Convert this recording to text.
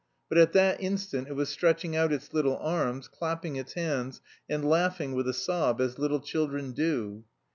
But at that instant it was stretching out its little arms, clapping its hands, and laughing with a sob as little children do.